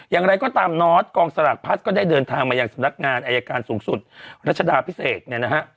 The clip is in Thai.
อย่างไรก็ตามนอสกองสลากพลัสก็ได้เดินทางมายังสำนักงานอายการสูงสุดรัชดาพิเศษเนี่ยนะฮะ